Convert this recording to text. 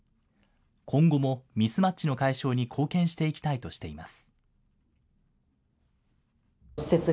今後もミスマッチの解消に貢献していきたいとしています。